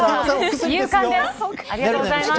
勇敢です。